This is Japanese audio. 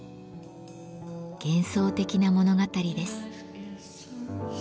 幻想的な物語です。